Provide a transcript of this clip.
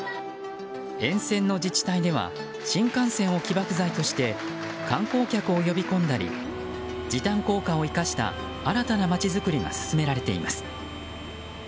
沿線の自治体では新幹線を起爆剤として観光客を呼び込んだり時短効果を生かした新たな街づくりが進められています。